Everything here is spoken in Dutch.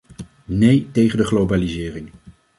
Nee tegen de globalisering!